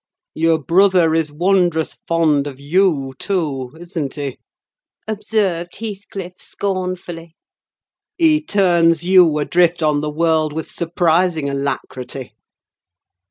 "Your brother is wondrous fond of you too, isn't he?" observed Heathcliff, scornfully. "He turns you adrift on the world with surprising alacrity."